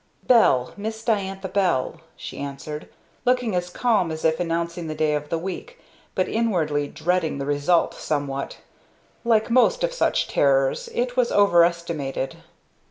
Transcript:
"Bell Miss Diantha Bell," she answered, looking as calm as if announcing the day of the week, but inwardly dreading the result somewhat. Like most of such terrors it was overestimated.